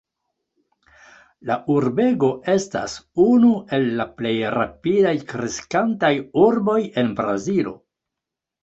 La urbego estas unu el la plej rapidaj kreskantaj urboj en Brazilo.